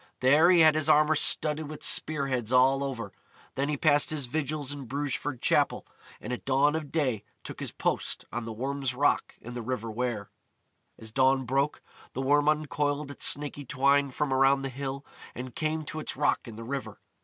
There he had his armour studded with spear heads all over. Then he passed his vigils in Brugeford Chapel, and at dawn of day took his post on the Worm's Rock in the River Wear. As dawn broke, the Worm uncoiled its snaky twine from around the hill, and came to its rock in the river.